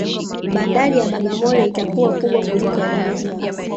bandari ya bagamoyo itakuwa kubwa kuliko ya dar es salaam